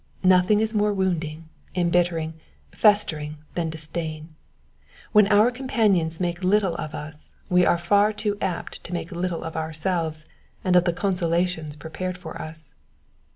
Nothing is more wounding, embittering, festering than disdain. When our companions make little of us we are far too apt to make little of ourselves and of the consolations prepared for us.